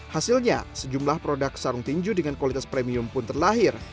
hasilnya sejumlah produk sarung tinju dengan kualitas premium pun terlahir